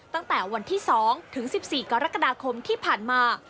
ตั้งแต่วันที่๒ถึง๑๔กรกฎาคมที่ผ่านมา